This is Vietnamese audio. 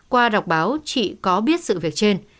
qua đọc báo chị có biết sự việc trên